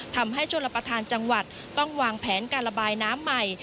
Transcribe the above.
ชนรับประทานจังหวัดต้องวางแผนการระบายน้ำใหม่